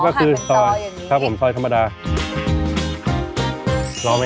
โฮ็ตก็ชอบจริงอ่ะ